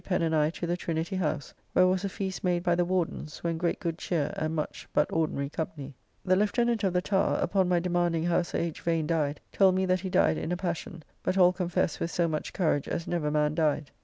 Pen and I to the Trinity House; where was a feast made by the Wardens, when great good cheer, and much, but ordinary company. The Lieutenant of the Tower, upon my demanding how Sir H. Vane died, told me that he died in a passion; but all confess with so much courage as never man died.